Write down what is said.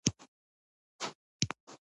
د دې کار لپاره مناسبه اندازه کاغذ وټاکئ.